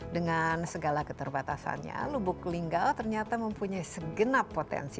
dengan segala keterbatasannya lubuk linggau ternyata mempunyai segenap potensi